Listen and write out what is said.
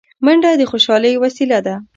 منډه د خوشحالۍ وسیله ده